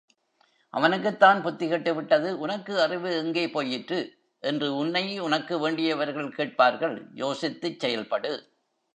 அவனுக்குத்தான் புத்தி கெட்டுவிட்டது உனக்கு அறிவு எங்கே போயிற்று? என்று உன்னை உனக்கு வேண்டியவர்கள் கேட்பார்கள் யோசித்துச் செயல்படு.